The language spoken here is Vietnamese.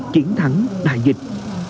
chiến thắng đại dịch